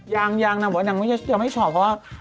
ยังนะมักว่าหนังไม่ชอบเพราะว่า